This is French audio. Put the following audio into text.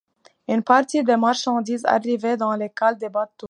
Une partie des marchandises arrivait dans les cales des bateaux.